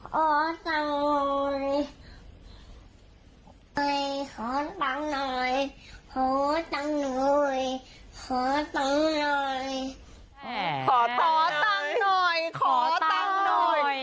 ขอตั้งหน่อยขอตั้งหน่อย